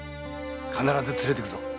必ず連れてくぞ。